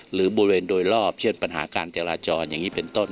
หรือบริเวณโดยรอบเช่นปัญหาการจราจรอย่างนี้เป็นต้น